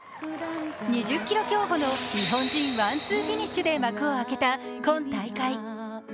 ２０ｋｍ競歩の日本人ワン・ツーフィニッシュで幕を開けた今大会。